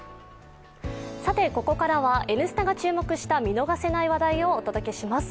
さてここからは「Ｎスタ」が注目した見逃せない話題をお伝えします。